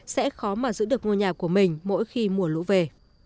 sẽ khó mà giữ được ngôi nhà của mình mỗi khi mùa lũ về